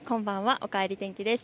おかえり天気です。